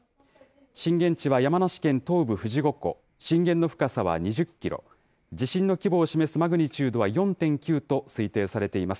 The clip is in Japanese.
震源地は山梨県東部富士五湖、震源の深さは２０キロ、地震の規模を示すマグニチュードは４．９と推定されています。